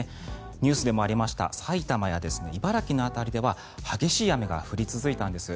ニュースでもありました埼玉や茨城の辺りでは激しい雨が降り続いたんです。